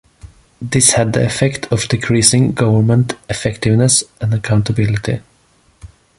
This had the effect of decreasing government effectiveness and accountability.